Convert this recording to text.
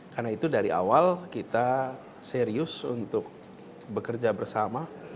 karena itu dari awal kita serius untuk bekerja bersama